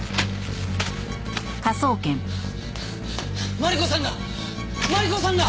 マリコさんがマリコさんが！